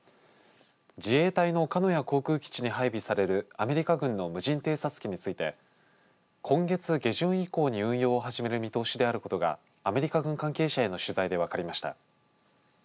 自衛隊の鹿屋航空基地に配備されるアメリカ軍の無人偵察機について今月下旬以降に運用を始める見通しであることがアメリカ軍関係者への取材で分かりました。